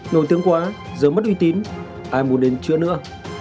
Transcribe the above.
nổi tiếng quá giờ mất uy tín ai muốn đến chữa nữa